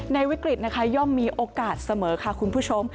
วิกฤตนะคะย่อมมีโอกาสเสมอค่ะคุณผู้ชม